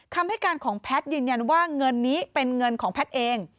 คำให้การของแพทย์ยืนยันว่าเงินนี้เป็นเงินของแพทย์เอง